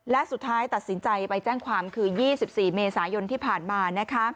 และสุดท้ายตัดสินใจไปแจ้งความคือ๒๔เมษายนที่ผ่านมา